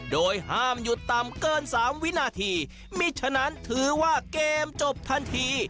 โดยห้ามหยุดต่ำเกิน๓วินาทีมีฉะนั้นถือว่าเกมจบทันที